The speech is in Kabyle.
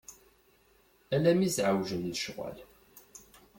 Ala mi s-εewjen lecɣal.